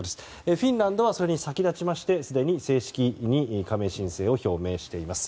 フィンランドはそれに先立ちまして、すでに正式に加盟申請をしています。